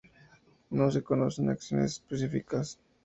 No se conocen acciones específicas.